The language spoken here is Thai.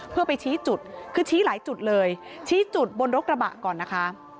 เพื่อไปชี้จุดคือชี้หลายจุดเลยชี้จุดบนรถกระบะก่อนนะคะ